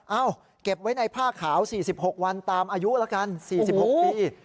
เก็บไว้ในผ้าขาว๔๖วันตามอายุละกัน๔๖ปี